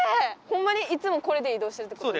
ホンマにいつもこれで移動してるってこと？